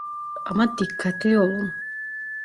Ama dikkatli olun.